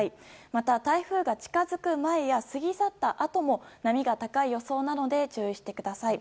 また、台風が近づく前や過ぎ去ったあとも波が高い予想なので注意してください。